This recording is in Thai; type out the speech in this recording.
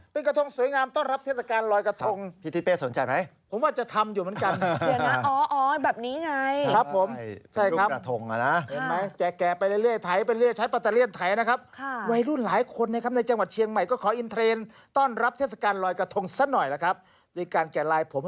เป็นรูปหลายรูปกระทงนี่แหละครับที่สำคัญครับ